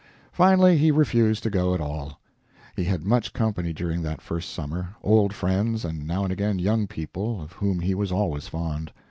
Finally he refused to go at all. He had much company during that first summer old friends, and now and again young people, of whom he was always fond.